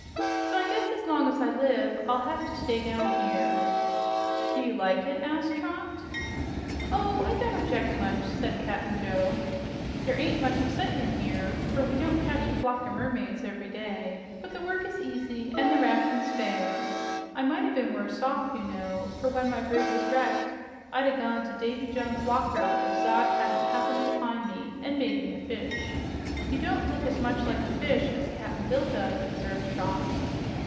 So I guess as long as I live, I'll hev to stay down here." "Do you like it?" asked Trot. "Oh, I don't objec' much," said Cap'n Joe. "There ain't much excitement here, fer we don't catch a flock o' mermaids ev'ry day, but the work is easy an' the rations fair. I might o' been worse off, you know, for when my brig was wrecked, I'd 'a' gone to Davy Jones's Locker if Zog hadn't happened to find me an' made me a fish." "You don't look as much like a fish as Cap'n Bill does," observed Trot.